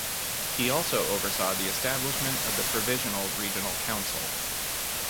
He also oversaw the establishment of the Provisional Regional Council.